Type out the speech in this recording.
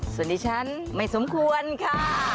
ส่วนที่ฉันไม่สมควรค่ะ